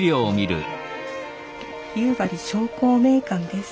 「夕張商工名鑑」です。